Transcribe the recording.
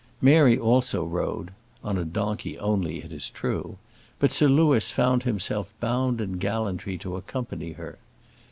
Mary also rode on a donkey only, it is true but Sir Louis found himself bound in gallantry to accompany her.